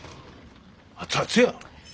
熱々や！